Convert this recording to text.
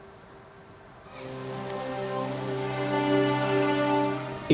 kondisi sdm lima langkai